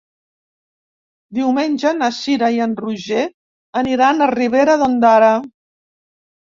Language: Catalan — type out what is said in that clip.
Diumenge na Cira i en Roger aniran a Ribera d'Ondara.